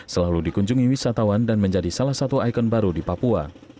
selalu dikunjungi wisatawan dan menjadi salah satu ikon baru di papua